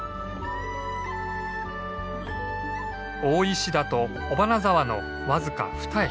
大石田と尾花沢の僅かふた駅。